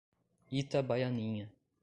Itabaianinha